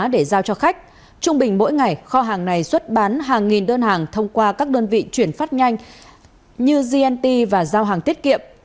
để giao cho khách trung bình mỗi ngày kho hàng này xuất bán hàng nghìn đơn hàng thông qua các đơn vị chuyển phát nhanh như gnt và giao hàng tiết kiệm